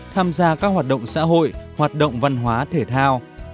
tham gia các hoạt động xã hội hoạt động văn hóa thể thao